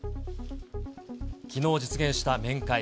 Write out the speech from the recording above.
きのう実現した面会。